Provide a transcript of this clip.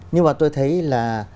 nhưng mà tôi thấy là